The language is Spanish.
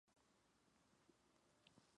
Actos análogos a los de la mañana.